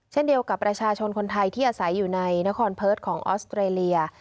เช่นเดียวกับประชาชนคนไทยที่อาศัยอยู่ในนครเพิร์ตของออสเตรเลีย